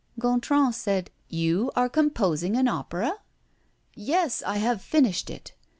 Gontran said: "You are composing an opera?" "Yes, I have finished it."